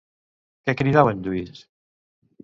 Què cridava en Lluís?